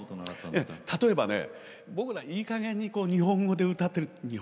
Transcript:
例えば、僕ら、いいかげんに日本語で歌ってる。